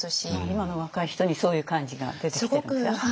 今の若い人にそういう感じが出てきてるんですか。